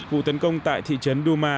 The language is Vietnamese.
vụ tấn công tại thị trấn douma